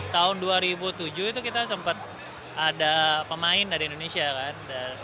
tahun dua ribu tujuh itu kita sempat ada pemain dari indonesia kan